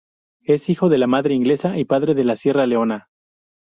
Es hijo de madre inglesa y padre de Sierra Leona.